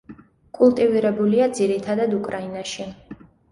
კულტივირებულია ძირითადად უკრაინაში.